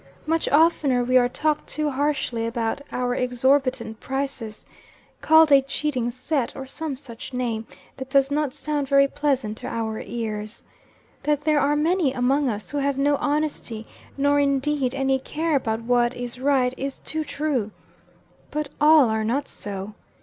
Much oftener we are talked to harshly about our exorbitant prices called a cheating set or some such name that does not sound very pleasant to our ears. That there are many among us who have no honesty, nor, indeed, any care about what is right, is too true. But all are not so.